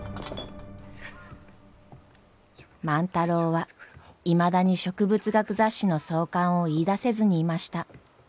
万太郎はいまだに植物学雑誌の創刊を言いだせずにいました。